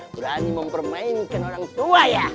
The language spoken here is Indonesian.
berani mempermainkan orang tua ya